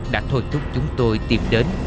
đã thôi thúc chúng tôi tìm đến